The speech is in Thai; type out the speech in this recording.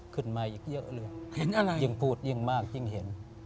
ขึ้นมาอีกเยอะเลยเห็นอะไรยิ่งพูดยิ่งมากยิ่งเห็น